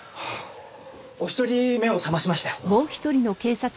お一人目を覚ましましたよ。